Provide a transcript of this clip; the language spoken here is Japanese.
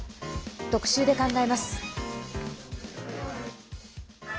特集で考えます。